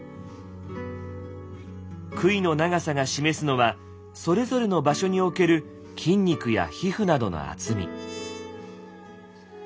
杭の長さが示すのはそれぞれの場所における筋肉や皮膚などの厚み。